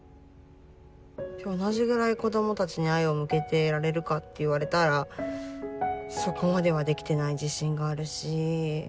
同じぐらい子どもたちに愛を向けてられるかって言われたらそこまではできてない自信があるし。